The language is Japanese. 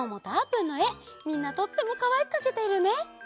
みんなとってもかわいくかけているね。